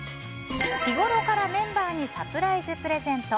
日ごろからメンバーにサプライズプレゼント。